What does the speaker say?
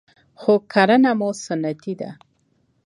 خو کرهنه مو سنتي ده